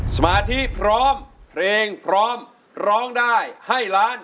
สมาธิพร้อมเพลงพร้อมร้องได้ให้ล้าน